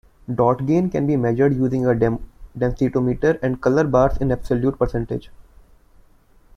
Dot gain can be measured using a densitometer and color bars in absolute percentages.